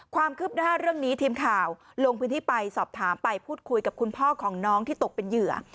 ความคืบหน้าเรื่องนี้ทีมข่าวลงพื้นที่ไปสอบถามไปพูดคุยกับคุณพ่อของน้องที่ตกเป็นเหยื่อ